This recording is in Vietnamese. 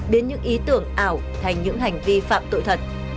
đến những ý tưởng ảo thành những hành vi phạm tội thật